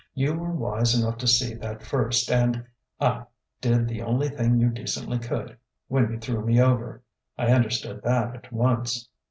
You were wise enough to see that first and ah did the only thing you decently could, when you threw me over. I understood that, at once."